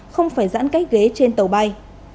không phải giãn cách ghế trên tàu bay